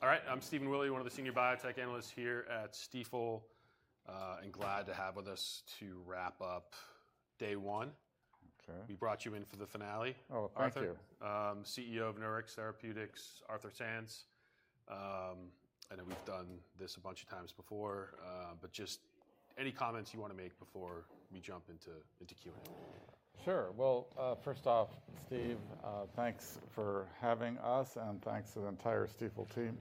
All right. I'm Stephen Willey, one of the Senior Biotech Analysts here at Stifel, and glad to have with us to wrap up day one. Okay. We brought you in for the finale. Oh, thank you. CEO of Nurix Therapeutics, Arthur Sands. I know we've done this a bunch of times before, but just any comments you want to make before we jump into Q&A? Sure. First off, Steve, thanks for having us, and thanks to the entire Stifel team.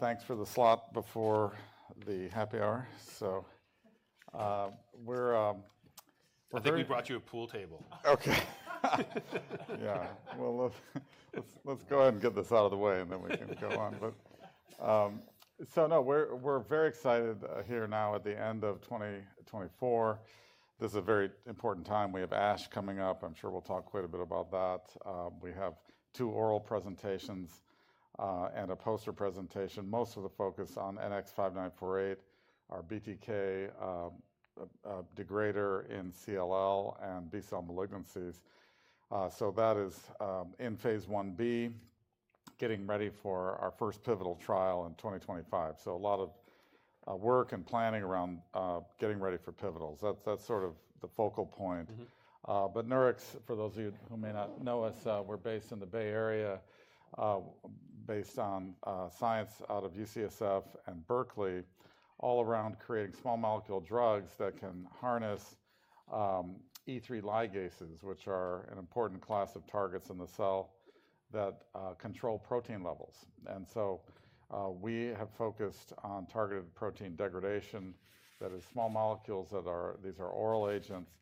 Thanks for the slot before the happy hour. We're... I think we brought you a pool table. Okay. Yeah. Well, let's go ahead and get this out of the way, and then we can go on. But so no, we're very excited here now at the end of 2024. This is a very important time. We have ASH coming up. I'm sure we'll talk quite a bit about that. We have two oral presentations and a poster presentation, most of the focus on NX-5948, our BTK degrader in CLL and B-cell malignancies. So that is in phase I-B, getting ready for our first pivotal trial in 2025. So a lot of work and planning around getting ready for pivotals. That's sort of the focal point. But Nurix, for those of you who may not know us, we're based in the Bay Area, based on science out of UCSF and Berkeley, all around creating small molecule drugs that can harness E3 ligases, which are an important class of targets in the cell that control protein levels. And so we have focused on targeted protein degradation. That is, small molecules that are, these are oral agents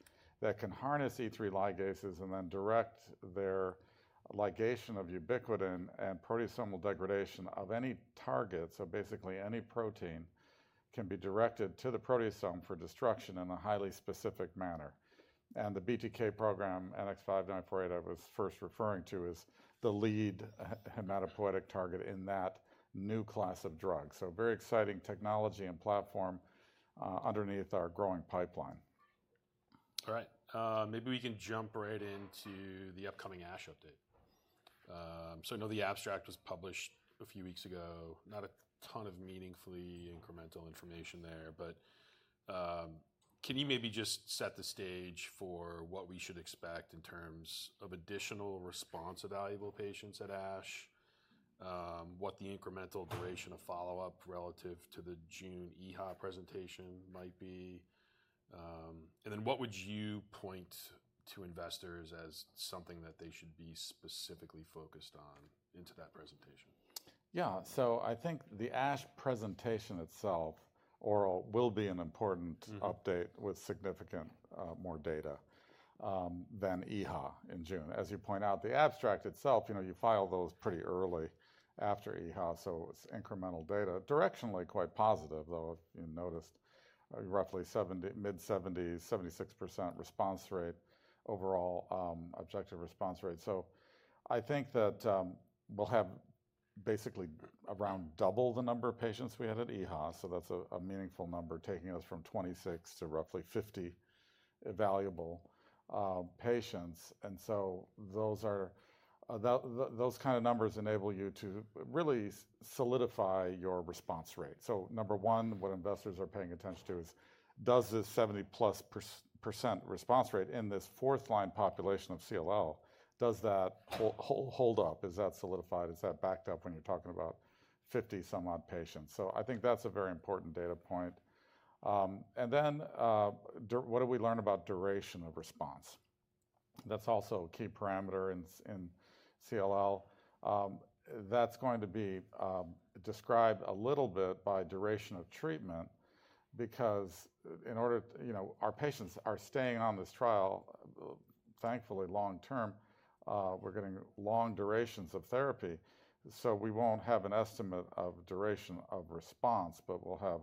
that can harness E3 ligases and then direct their ligation of ubiquitin and proteasomal degradation of any target. So basically, any protein can be directed to the proteasome for destruction in a highly specific manner. And the BTK program, NX-5948, I was first referring to, is the lead hematopoietic target in that new class of drug. So very exciting technology and platform underneath our growing pipeline. All right. Maybe we can jump right into the upcoming ASH update. So I know the abstract was published a few weeks ago. Not a ton of meaningfully incremental information there, but can you maybe just set the stage for what we should expect in terms of additional responses of evaluable patients at ASH, what the incremental duration of follow-up relative to the June EHA presentation might be? And then what would you point to investors as something that they should be specifically focused on in that presentation? Yeah. So I think the ASH presentation itself, oral, will be an important update with significant more data than EHA in June. As you point out, the abstract itself, you know, you file those pretty early after EHA, so it's incremental data. Directionally, quite positive, though, if you noticed, roughly mid-70s, 76% response rate, overall objective response rate. So I think that we'll have basically around double the number of patients we had at EHA. So that's a meaningful number, taking us from 26 to roughly 50 evaluable patients. And so those are, those kind of numbers enable you to really solidify your response rate. So number one, what investors are paying attention to is, does this 70+% response rate in this fourth-line population of CLL, does that hold up? Is that solidified? Is that backed up when you're talking about 50-some-odd patients? So I think that's a very important data point. And then what do we learn about duration of response? That's also a key parameter in CLL. That's going to be described a little bit by duration of treatment because in order to, you know, our patients are staying on this trial, thankfully, long-term. We're getting long durations of therapy. So we won't have an estimate of duration of response, but we'll have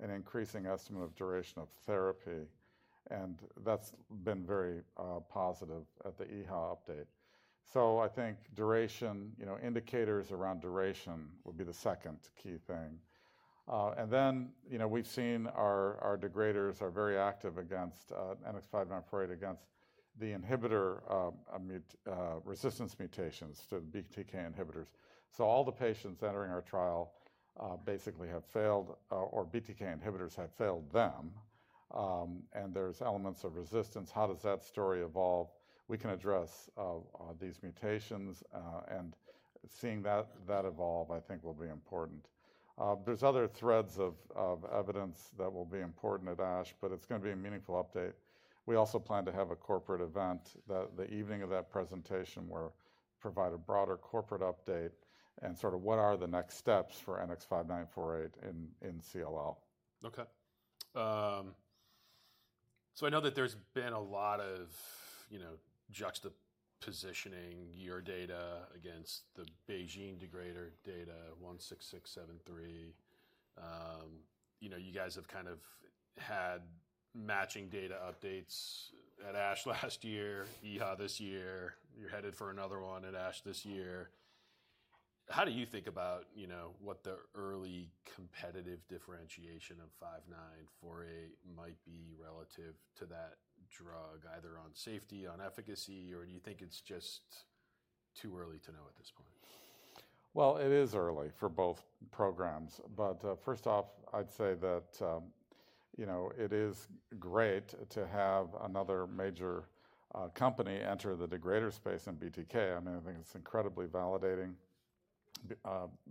an increasing estimate of duration of therapy. And that's been very positive at the EHA update. So I think duration, you know, indicators around duration would be the second key thing. And then, you know, we've seen our degraders are very active against NX-5948 against the inhibitor resistance mutations to BTK inhibitors. So all the patients entering our trial basically have failed, or BTK inhibitors have failed them. And there's elements of resistance. How does that story evolve? We can address these mutations, and seeing that evolve, I think, will be important. There's other threads of evidence that will be important at ASH, but it's going to be a meaningful update. We also plan to have a corporate event that the evening of that presentation will provide a broader corporate update and sort of what are the next steps for NX-5948 in CLL. Okay. So I know that there's been a lot of, you know, juxtaposing your data against the BeiGene degrader data, BGB-16673. You know, you guys have kind of had matching data updates at ASH last year, EHA this year. You're headed for another one at ASH this year. How do you think about, you know, what the early competitive differentiation of 5948 might be relative to that drug, either on safety, on efficacy, or do you think it's just too early to know at this point? It is early for both programs. But first off, I'd say that, you know, it is great to have another major company enter the degrader space in BTK. I mean, I think it's incredibly validating.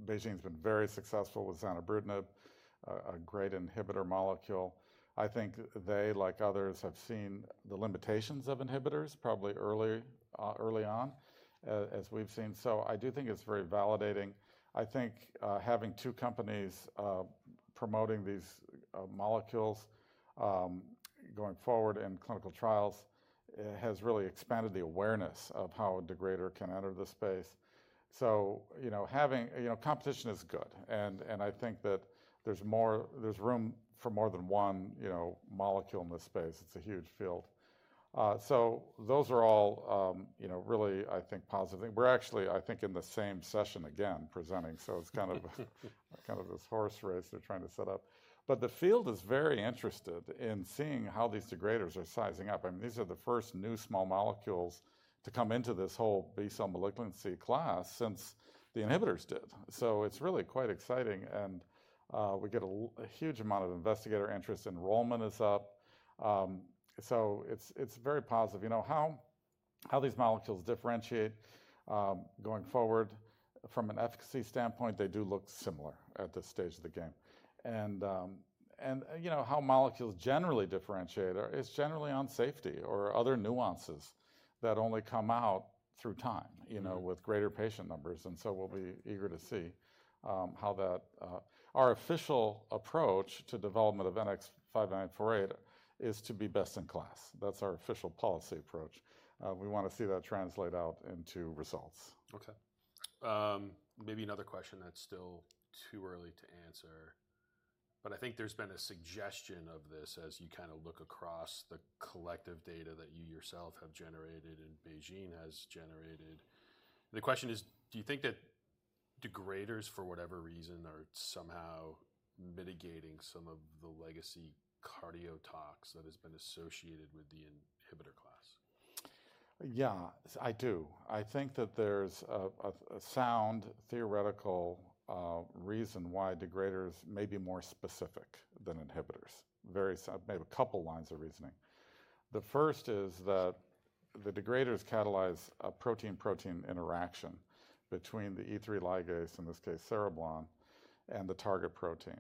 BeiGene's been very successful with zanubrutinib, a great inhibitor molecule. I think they, like others, have seen the limitations of inhibitors probably early on, as we've seen. So I do think it's very validating. I think having two companies promoting these molecules going forward in clinical trials has really expanded the awareness of how a degrader can enter the space. So, you know, having, you know, competition is good. And I think that there's more, there's room for more than one, you know, molecule in this space. It's a huge field. So those are all, you know, really, I think, positive things. We're actually, I think, in the same session again presenting. So it's kind of this horse race they're trying to set up. But the field is very interested in seeing how these degraders are sizing up. I mean, these are the first new small molecules to come into this whole B-cell malignancy class since the inhibitors did. So it's really quite exciting. And we get a huge amount of investigator interest. Enrollment is up. So it's very positive. You know, how these molecules differentiate going forward from an efficacy standpoint, they do look similar at this stage of the game. And, you know, how molecules generally differentiate is generally on safety or other nuances that only come out through time, you know, with greater patient numbers. And so we'll be eager to see how that. Our official approach to development of NX-5948 is to be best in class. That's our official policy approach. We want to see that translate out into results. Okay. Maybe another question that's still too early to answer, but I think there's been a suggestion of this as you kind of look across the collective data that you yourself have generated and BeiGene has generated. The question is, do you think that degraders, for whatever reason, are somehow mitigating some of the legacy cardiotoxicity that has been associated with the inhibitor class? Yeah, I do. I think that there's a sound theoretical reason why degraders may be more specific than inhibitors. Very sound, maybe a couple lines of reasoning. The first is that the degraders catalyze a protein-protein interaction between the E3 ligase, in this case, cereblon, and the target protein.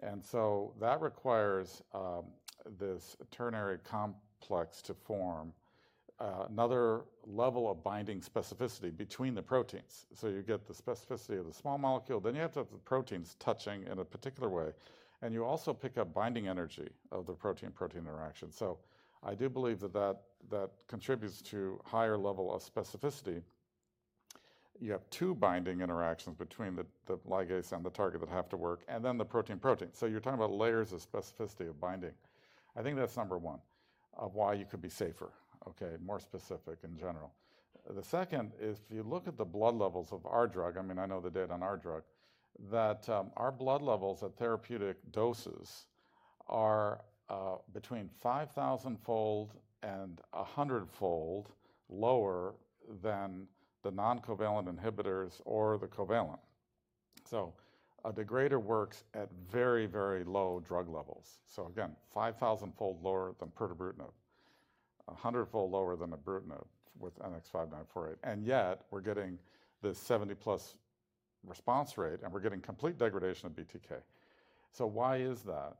And so that requires this ternary complex to form another level of binding specificity between the proteins. So you get the specificity of the small molecule. Then you have the proteins touching in a particular way. And you also pick up binding energy of the protein-protein interaction. So I do believe that that contributes to a higher level of specificity. You have two binding interactions between the ligase and the target that have to work, and then the protein-protein. So you're talking about layers of specificity of binding. I think that's number one of why you could be safer, okay, more specific in general. The second is if you look at the blood levels of our drug, I mean, I know the data on our drug, that our blood levels at therapeutic doses are between 5,000-fold and 100-fold lower than the non-covalent inhibitors or the covalent. So a degrader works at very, very low drug levels. So again, 5,000-fold lower than pirtobrutinib, 100-fold lower than ibrutinib with NX-5948. And yet we're getting this 70-plus response rate, and we're getting complete degradation of BTK. So why is that?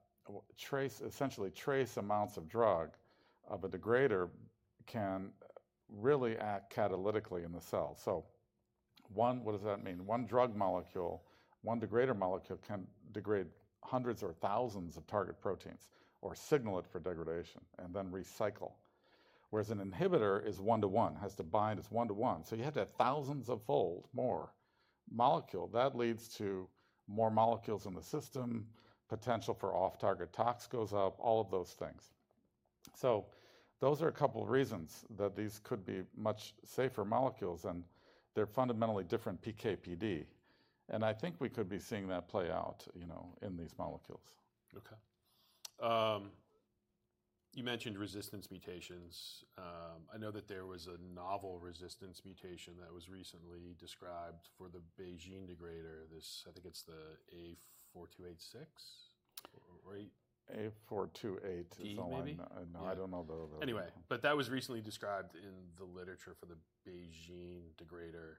Essentially, trace amounts of drug of a degrader can really act catalytically in the cell. So one, what does that mean? One drug molecule, one degrader molecule can degrade hundreds or thousands of target proteins or signal it for degradation and then recycle. Whereas an inhibitor is one-to-one, has to bind as one-to-one. So you have to have thousands of fold more molecule. That leads to more molecules in the system, potential for off-target tox goes up, all of those things. So those are a couple of reasons that these could be much safer molecules, and they're fundamentally different PK/PD. And I think we could be seeing that play out, you know, in these molecules. Okay. You mentioned resistance mutations. I know that there was a novel resistance mutation that was recently described for the BeiGene degrader. I think it's the A4286, right? A428 is all I know. I don't know the. Anyway, but that was recently described in the literature for the BeiGene degrader.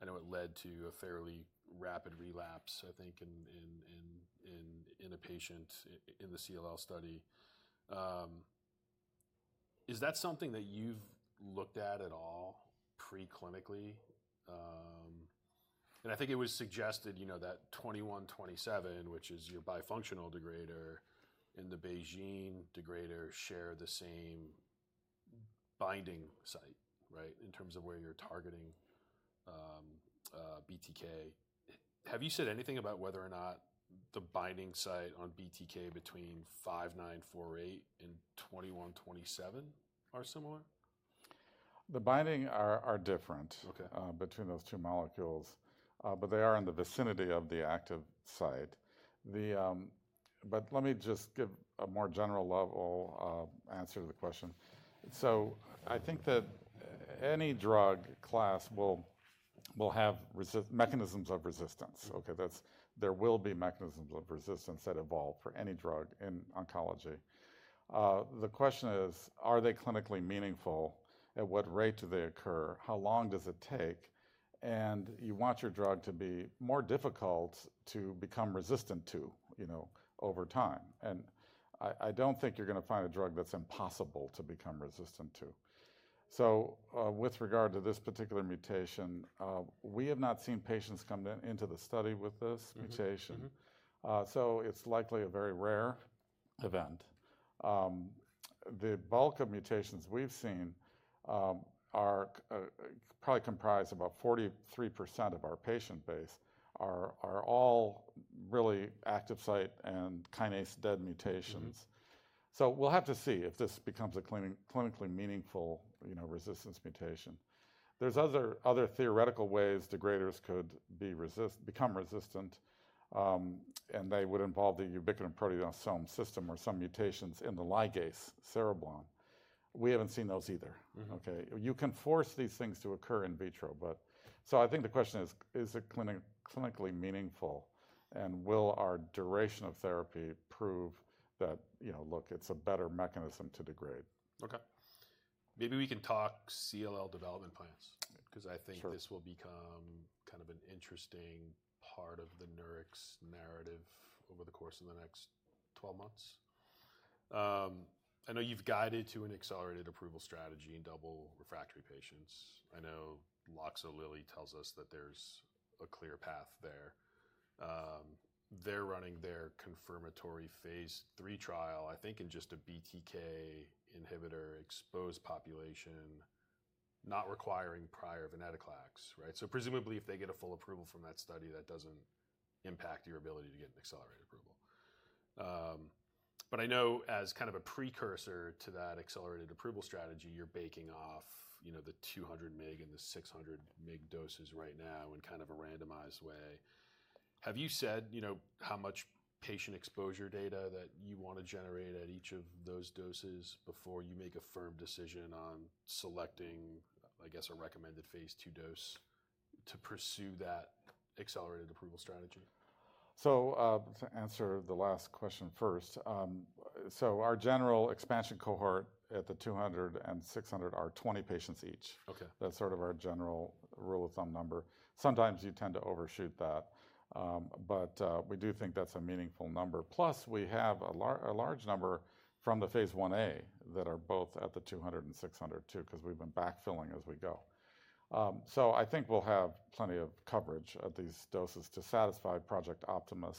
I know it led to a fairly rapid relapse, I think, in a patient in the CLL study. Is that something that you've looked at at all preclinically? And I think it was suggested, you know, that 2127, which is your bifunctional degrader, and the BeiGene degrader share the same binding site, right, in terms of where you're targeting BTK. Have you said anything about whether or not the binding site on BTK between 5948 and 2127 are similar? The binding are different between those two molecules, but they are in the vicinity of the active site, but let me just give a more general level answer to the question, so I think that any drug class will have mechanisms of resistance. Okay, there will be mechanisms of resistance that evolve for any drug in oncology. The question is, are they clinically meaningful? At what rate do they occur? How long does it take and you want your drug to be more difficult to become resistant to, you know, over time and I don't think you're going to find a drug that's impossible to become resistant to, so with regard to this particular mutation, we have not seen patients come into the study with this mutation, so it's likely a very rare event. The bulk of mutations we've seen are probably comprised of about 43% of our patient base are all really active site and kinase-dead mutations. So we'll have to see if this becomes a clinically meaningful, you know, resistance mutation. There's other theoretical ways degraders could become resistant, and they would involve the ubiquitin-proteasome system or some mutations in the ligase, cereblon. We haven't seen those either. Okay, you can force these things to occur in vitro, but so I think the question is, is it clinically meaningful, and will our duration of therapy prove that, you know, look, it's a better mechanism to degrade? Okay. Maybe we can talk CLL development plans because I think this will become kind of an interesting part of the Nurix narrative over the course of the next 12 months. I know you've guided to an accelerated approval strategy in double refractory patients. I know Loxo/Lilly tells us that there's a clear path there. They're running their confirmatory phase III trial, I think, in just a BTK inhibitor exposed population, not requiring prior venetoclax, right? So presumably, if they get a full approval from that study, that doesn't impact your ability to get an accelerated approval. But I know as kind of a precursor to that accelerated approval strategy, you're backing off, you know, the 200-mg and the 600-mg doses right now in kind of a randomized way. Have you said, you know, how much patient exposure data that you want to generate at each of those doses before you make a firm decision on selecting, I guess, a recommended phase II dose to pursue that accelerated approval strategy? So to answer the last question first, so our general expansion cohort at the 200 and 600 are 20 patients each. That's sort of our general rule of thumb number. Sometimes you tend to overshoot that. But we do think that's a meaningful number. Plus, we have a large number from the phase I-A that are both at the 200 and 600 too, because we've been backfilling as we go. So I think we'll have plenty of coverage at these doses to satisfy Project Optimus.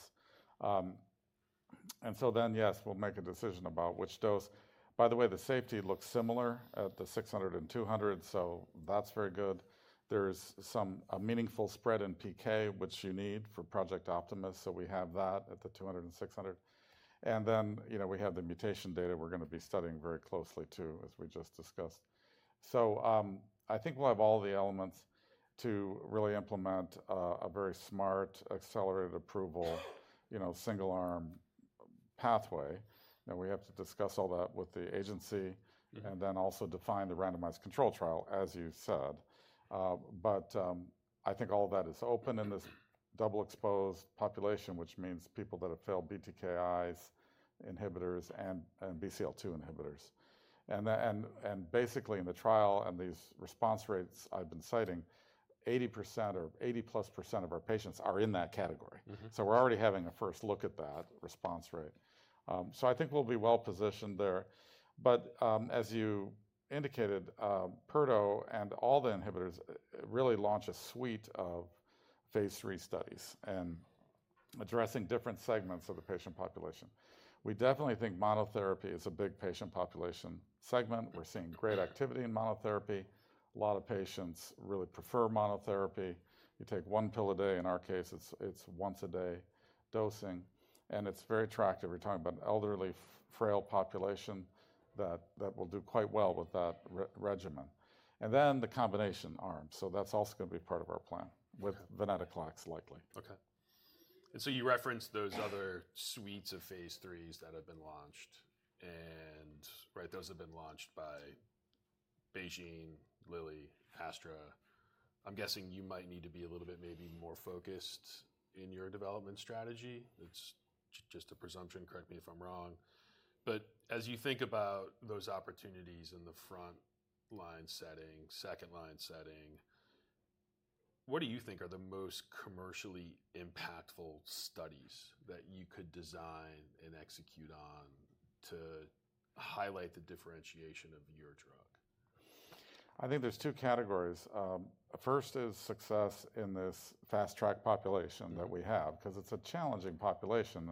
And so then, yes, we'll make a decision about which dose. By the way, the safety looks similar at the 600 and 200. So that's very good. There's some meaningful spread in PK, which you need for Project Optimus. So we have that at the 200 and 600. Then, you know, we have the mutation data we're going to be studying very closely too, as we just discussed. I think we'll have all the elements to really implement a very smart accelerated approval, you know, single-arm pathway. Now, we have to discuss all that with the agency and then also define the randomized control trial, as you said. I think all of that is open in this double exposed population, which means people that have failed BTK inhibitors and BCL-2 inhibitors. And basically, in the trial and these response rates I've been citing, 80% or 80-plus% of our patients are in that category. We're already having a first look at that response rate. I think we'll be well positioned there. As you indicated, pirtobrutinib and all the inhibitors really launch a suite of phase III studies and addressing different segments of the patient population. We definitely think monotherapy is a big patient population segment. We're seeing great activity in monotherapy. A lot of patients really prefer monotherapy. You take one pill a day. In our case, it's once-a-day dosing. It's very attractive. We're talking about an elderly frail population that will do quite well with that regimen. Then the combination arm. That's also going to be part of our plan with venetoclax likely. Okay, and so you referenced those other suites of phase IIIs that have been launched, and right, those have been launched by BeiGene, Lilly, AstraZeneca. I'm guessing you might need to be a little bit maybe more focused in your development strategy. It's just a presumption. Correct me if I'm wrong, but as you think about those opportunities in the front-line setting, second-line setting, what do you think are the most commercially impactful studies that you could design and execute on to highlight the differentiation of your drug? I think there's two categories. First is success in this fast-track population that we have because it's a challenging population,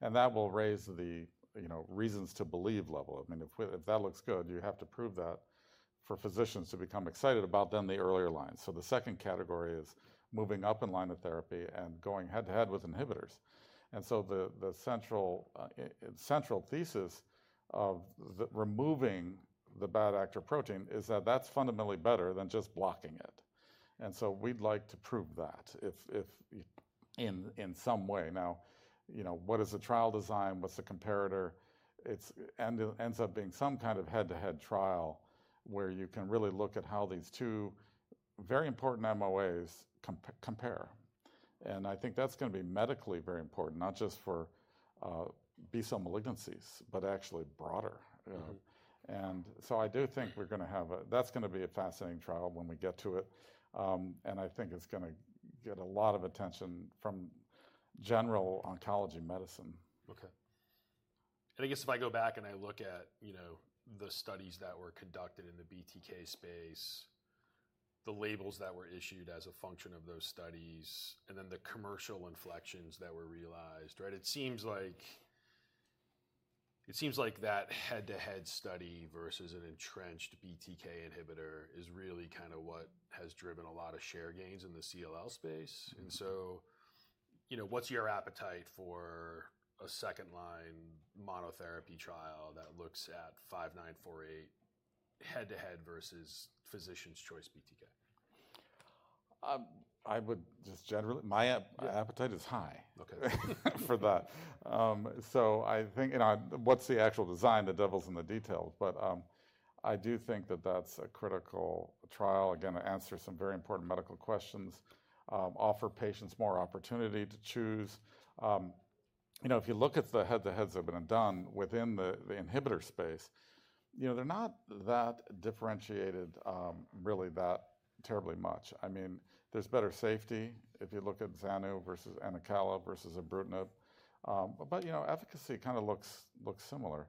and that will raise the, you know, reasons to believe level. I mean, if that looks good, you have to prove that for physicians to become excited about, then the earlier line, so the second category is moving up in line of therapy and going head-to-head with inhibitors, and so the central thesis of removing the bad actor protein is that that's fundamentally better than just blocking it, and so we'd like to prove that in some way. Now, you know, what is the trial design? What's the comparator? It ends up being some kind of head-to-head trial where you can really look at how these two very important MOAs compare, and I think that's going to be medically very important, not just for B-cell malignancies, but actually broader. And so I do think we're going to have a, that's going to be a fascinating trial when we get to it. And I think it's going to get a lot of attention from general oncology medicine. Okay. And I guess if I go back and I look at, you know, the studies that were conducted in the BTK space, the labels that were issued as a function of those studies, and then the commercial inflections that were realized, right? It seems like it seems like that head-to-head study versus an entrenched BTK inhibitor is really kind of what has driven a lot of share gains in the CLL space. And so, you know, what's your appetite for a second-line monotherapy trial that looks at 5948 head-to-head versus physician's choice BTK? I would just generally, my appetite is high for that. So I think, you know, what's the actual design, the devil's in the details. But I do think that that's a critical trial, again, to answer some very important medical questions, offer patients more opportunity to choose. You know, if you look at the head-to-heads that have been done within the inhibitor space, you know, they're not that differentiated really that terribly much. I mean, there's better safety if you look at zanubrutinib versus acalabrutinib versus ibrutinib. But, you know, efficacy kind of looks similar.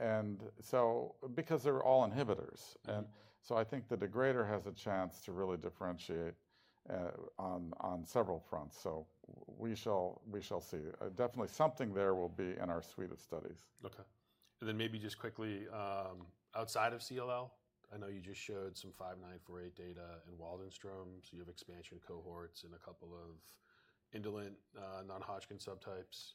And so because they're all inhibitors. And so I think the degrader has a chance to really differentiate on several fronts. So we shall see. Definitely something there will be in our suite of studies. Okay. And then maybe just quickly, outside of CLL, I know you just showed some 5948 data in Waldenström. So you have expansion cohorts in a couple of indolent non-Hodgkin subtypes.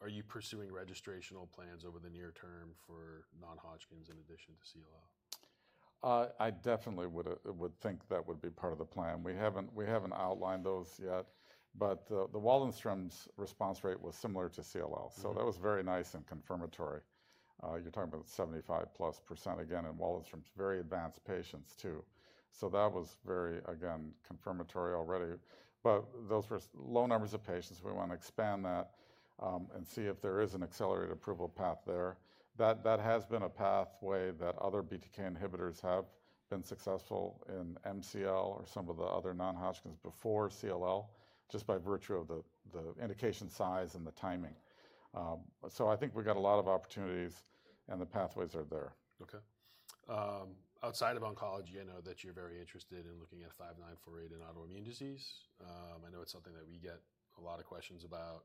Are you pursuing registrational plans over the near term for non-Hodgkin's in addition to CLL? I definitely would think that would be part of the plan. We haven't outlined those yet. But the Waldenström's response rate was similar to CLL. So that was very nice and confirmatory. You're talking about 75+% again in Waldenström's very advanced patients too. So that was very, again, confirmatory already. But those were low numbers of patients. We want to expand that and see if there is an accelerated approval path there. That has been a pathway that other BTK inhibitors have been successful in MCL or some of the other non-Hodgkin's before CLL, just by virtue of the indication size and the timing. So I think we've got a lot of opportunities and the pathways are there. Okay. Outside of oncology, I know that you're very interested in looking at 5948 in autoimmune disease. I know it's something that we get a lot of questions about.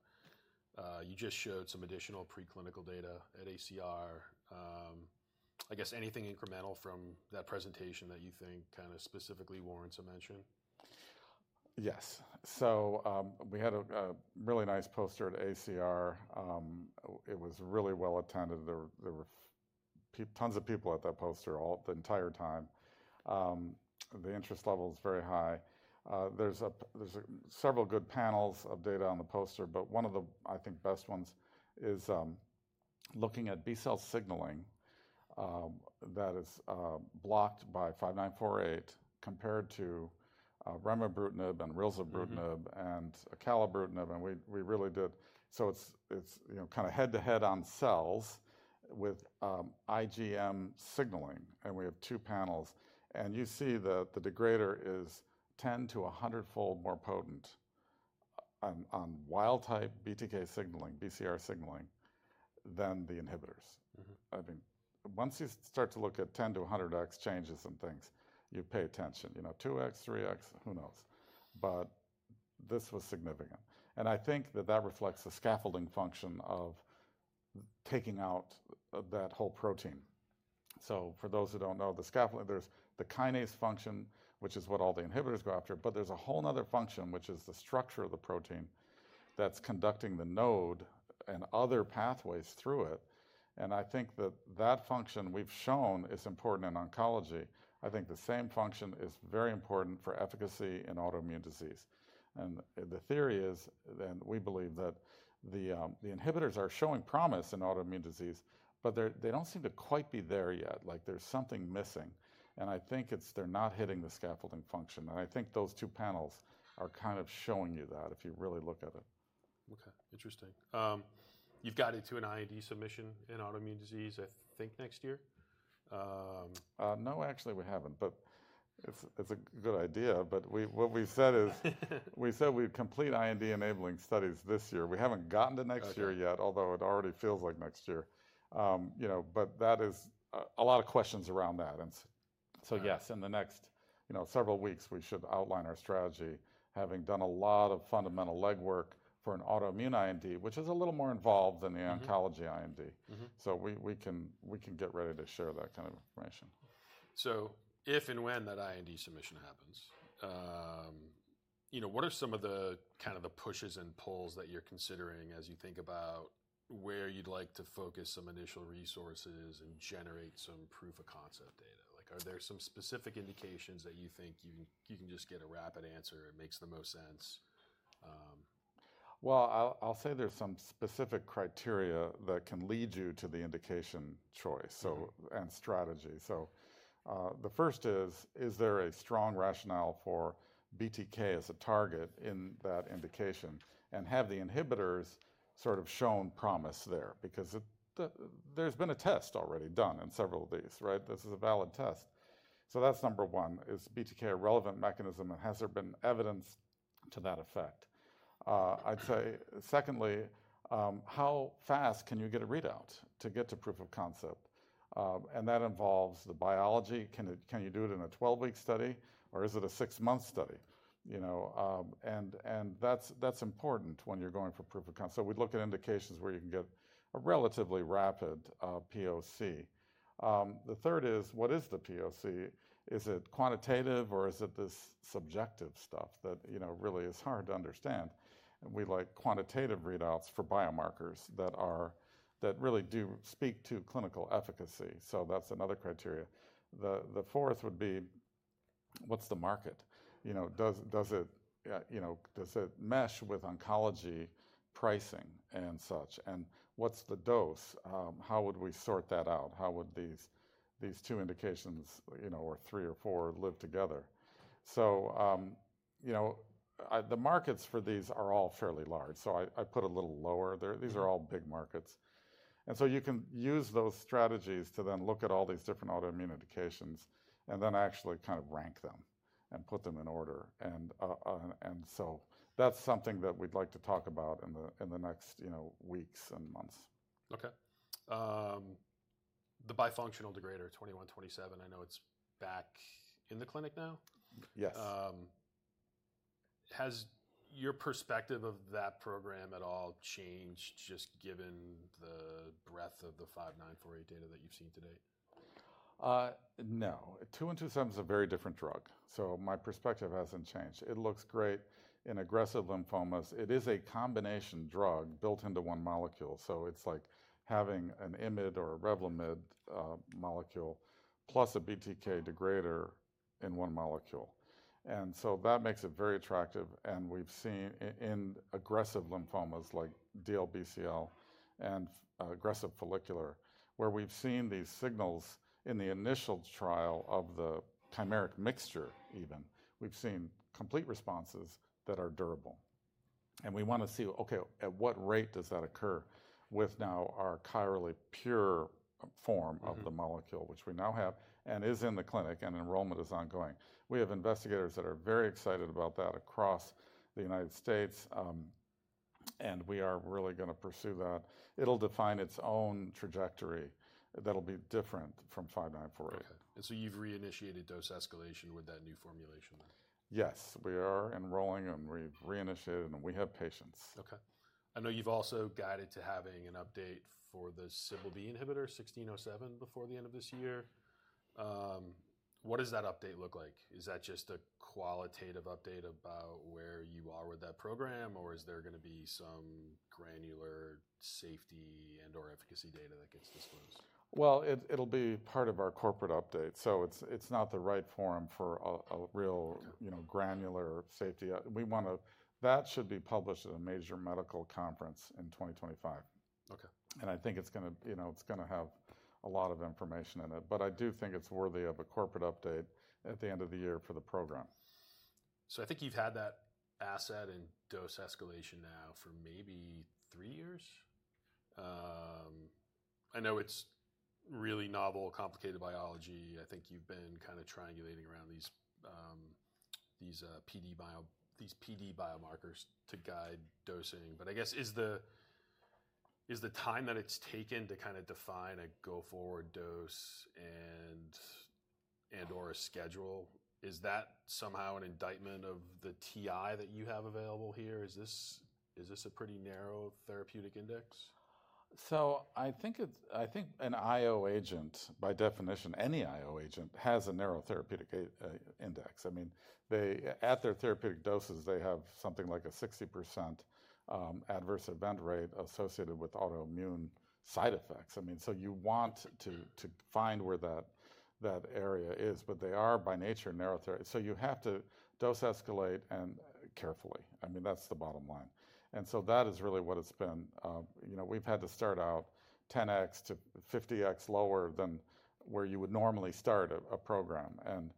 You just showed some additional preclinical data at ACR. I guess anything incremental from that presentation that you think kind of specifically warrants a mention? Yes. So we had a really nice poster at ACR. It was really well attended. There were tons of people at that poster all the entire time. The interest level is very high. There's several good panels of data on the poster, but one of the, I think, best ones is looking at B-cell signaling that is blocked by 5948 compared to remibrutinib and rilzabrutinib and acalabrutinib. And we really did. So it's, you know, kind of head-to-head on cells with IgM signaling. And we have two panels. And you see that the degrader is 10- to 100-fold more potent on wild-type BTK signaling, BCR signaling than the inhibitors. I mean, once you start to look at 10-100x changes and things, you pay attention. You know, 2x, 3x, who knows? But this was significant. I think that that reflects the scaffolding function of taking out that whole protein. So for those who don't know, the scaffolding, there's the kinase function, which is what all the inhibitors go after, but there's a whole another function, which is the structure of the protein that's conducting the node and other pathways through it. I think that that function we've shown is important in oncology. I think the same function is very important for efficacy in autoimmune disease. The theory is, and we believe that the inhibitors are showing promise in autoimmune disease, but they don't seem to quite be there yet. Like there's something missing. I think it's they're not hitting the scaffolding function. I think those two panels are kind of showing you that if you really look at it. Okay. Interesting. You've got into an IND submission in autoimmune disease, I think next year? No, actually we haven't, but it's a good idea, but what we've said is we said we'd complete IND enabling studies this year. We haven't gotten to next year yet, although it already feels like next year, you know, but that is a lot of questions around that, and so yes, in the next, you know, several weeks, we should outline our strategy, having done a lot of fundamental legwork for an autoimmune IND, which is a little more involved than the oncology IND, so we can get ready to share that kind of information. So if and when that IND submission happens, you know, what are some of the kind of pushes and pulls that you're considering as you think about where you'd like to focus some initial resources and generate some proof of concept data? Like are there some specific indications that you think you can just get a rapid answer? It makes the most sense. I'll say there's some specific criteria that can lead you to the indication choice and strategy. The first is, is there a strong rationale for BTK as a target in that indication and have the inhibitors sort of shown promise there? Because there's been a test already done in several of these, right? This is a valid test. That's number one is BTK a relevant mechanism and has there been evidence to that effect? I'd say secondly, how fast can you get a readout to get to proof of concept? That involves the biology. Can you do it in a 12-week study or is it a six-month study? You know, that's important when you're going for proof of concept. We'd look at indications where you can get a relatively rapid POC. The third is what is the POC? Is it quantitative or is it this subjective stuff that, you know, really is hard to understand? And we like quantitative readouts for biomarkers that really do speak to clinical efficacy. So that's another criteria. The fourth would be what's the market? You know, does it, you know, does it mesh with oncology pricing and such? And what's the dose? How would we sort that out? How would these two indications, you know, or three or four live together? So, you know, the markets for these are all fairly large. So I put a little lower there. These are all big markets. And so you can use those strategies to then look at all these different autoimmune indications and then actually kind of rank them and put them in order. And so that's something that we'd like to talk about in the next, you know, weeks and months. Okay. The bifunctional degrader 2127, I know it's back in the clinic now. Yes. Has your perspective of that program at all changed just given the breadth of the 5948 data that you've seen today? NX-2127 is a very different drug. So my perspective hasn't changed. It looks great in aggressive lymphomas. It is a combination drug built into one molecule. So it's like having an IMiD or a Revlimid molecule plus a BTK degrader in one molecule. And so that makes it very attractive. And we've seen in aggressive lymphomas like DLBCL and aggressive follicular, where we've seen these signals in the initial trial of the chimeric mixture even, we've seen complete responses that are durable. And we want to see, okay, at what rate does that occur with now our chirally pure form of the molecule, which we now have and is in the clinic and enrollment is ongoing. We have investigators that are very excited about that across the United States. And we are really going to pursue that. It'll define its own trajectory that'll be different from NX-5948. Okay, and so you've reinitiated dose escalation with that new formulation? Yes. We are enrolling, and we've reinitiated, and we have patients. Okay. I know you've also guided to having an update for the NX-1607 inhibitor before the end of this year. What does that update look like? Is that just a qualitative update about where you are with that program? Or is there going to be some granular safety and/or efficacy data that gets disclosed? It'll be part of our corporate update. It's not the right forum for a real, you know, granular safety. That should be published at a major medical conference in 2025. Okay. I think it's going to, you know, it's going to have a lot of information in it. But I do think it's worthy of a corporate update at the end of the year for the program. I think you've had that asset and dose escalation now for maybe three years. I know it's really novel, complicated biology. I think you've been kind of triangulating around these PD biomarkers to guide dosing. But I guess, is the time that it's taken to kind of define a go forward dose and/or a schedule, is that somehow an indictment of the TI that you have available here? Is this a pretty narrow therapeutic index? So I think an IO agent, by definition, any IO agent has a narrow therapeutic index. I mean, at their therapeutic doses, they have something like a 60% adverse event rate associated with autoimmune side effects. I mean, so you want to find where that area is. But they are by nature narrow therapy. So you have to dose escalate and carefully. I mean, that's the bottom line. And so that is really what it's been. You know, we've had to start out 10x to 50x lower than where you would normally start a program. And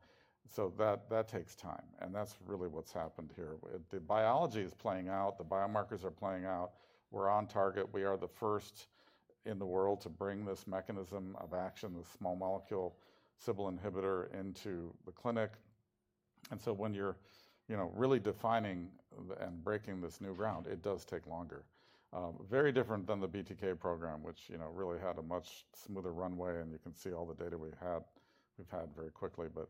so that takes time. And that's really what's happened here. The biology is playing out. The biomarkers are playing out. We're on target. We are the first in the world to bring this mechanism of action, the small molecule CBL-B inhibitor into the clinic. And so when you're, you know, really defining and breaking this new ground, it does take longer. Very different than the BTK program, which, you know, really had a much smoother runway. And you can see all the data we've had very quickly. But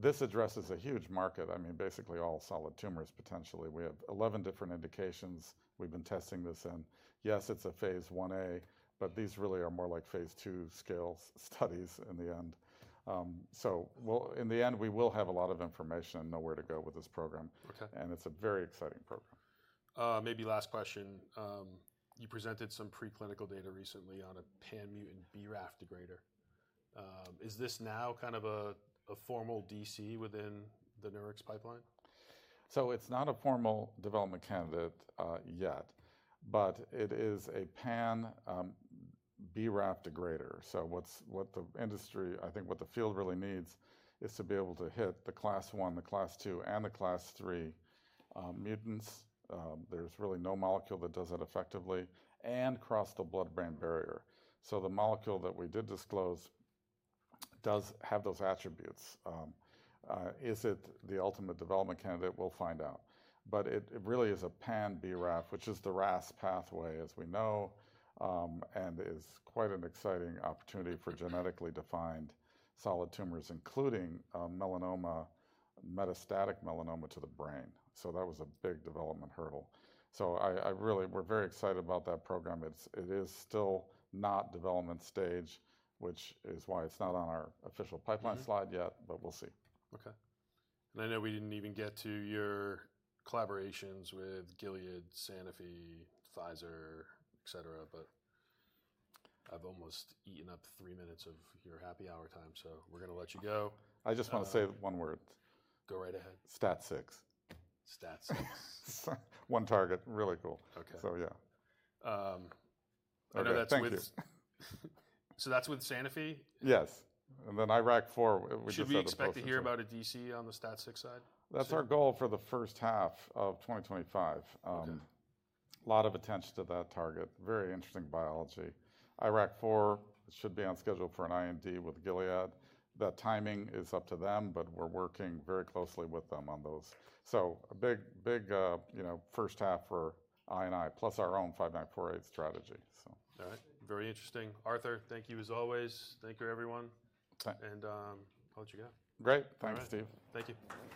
this addresses a huge market. I mean, basically all solid tumors potentially. We have 11 different indications. We've been testing this in. Yes, it's a phase I-A, but these really are more like phase II scale studies in the end. So in the end, we will have a lot of information and know where to go with this program. And it's a very exciting program. Maybe last question. You presented some preclinical data recently on a pan-mutant BRAF degrader. Is this now kind of a formal DC within the Nurix pipeline? It's not a formal development candidate yet, but it is a pan-BRAF degrader. What the industry, I think what the field really needs is to be able to hit the class one, the class two, and the class three mutants. There's really no molecule that does that effectively and cross the blood-brain barrier. The molecule that we did disclose does have those attributes. Is it the ultimate development candidate? We'll find out. It really is a pan-BRAF, which is the RAS pathway as we know, and is quite an exciting opportunity for genetically defined solid tumors, including melanoma, metastatic melanoma to the brain. That was a big development hurdle. I really, we're very excited about that program. It is still not development stage, which is why it's not on our official pipeline slide yet, but we'll see. Okay. And I know we didn't even get to your collaborations with Gilead, Sanofi, Pfizer, et cetera, but I've almost eaten up three minutes of your happy hour time. So we're going to let you go. I just want to say one word. Go right ahead. STAT6. STAT6. One target. Really cool. Okay. So yeah. I know that's with. Thank you. So that's with Sanofi? Yes. And then IRAK4. So you expect to hear about an IND on the STAT6 side? That's our goal for the first half of 2025. A lot of attention to that target. Very interesting biology. IRAK4 should be on schedule for an IND with Gilead. That timing is up to them, but we're working very closely with them on those, so a big, you know, first half for NX-2127 plus our own 5948 strategy. All right. Very interesting. Arthur, thank you as always. Thank you, everyone. And I'll let you go. Great. Thanks, Steve. Thank you.